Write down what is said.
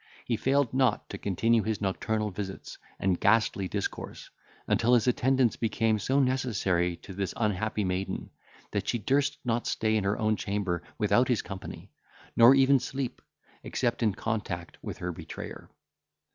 He failed not to continue his nocturnal visits and ghastly discourse, until his attendance became so necessary to this unhappy maiden, that she durst not stay in her own chamber without his company, nor even sleep, except in contact with her betrayer.